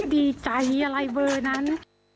ดีใจอะไรเบอร์นั้น